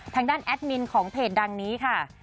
ทางด้านแอดมินของเพจดังนี้ค่ะ